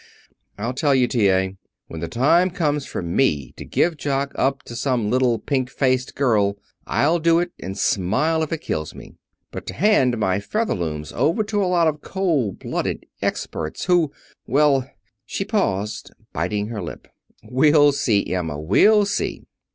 I'll tell you, T.A., when the time comes for me to give Jock up to some little pink faced girl I'll do it, and smile if it kills me. But to hand my Featherlooms over to a lot of cold blooded experts who well " she paused, biting her lip. "We'll see, Emma; we'll see."